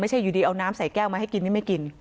ไม่ใช่อยู่ดีเอาน้ำใส่แก้วมาให้กินไม่กิน